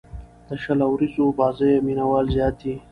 د شل اووريزو بازيو مینه وال زیات دي.